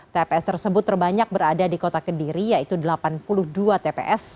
tps tersebut terbanyak berada di kota kediri yaitu delapan puluh dua tps